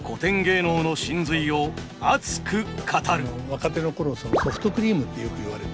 若手の頃ソフトクリームってよく言われて。